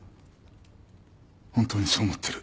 本当にそう思ってる。